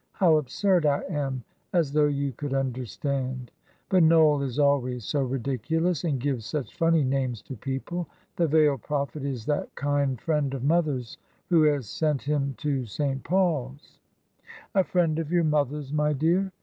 "How absurd I am! As though you could understand! But Noel is always so ridiculous, and gives such funny names to people! The veiled Prophet is that kind friend of mother's who has sent him to St. Paul's." "A friend of your mother's, my dear?"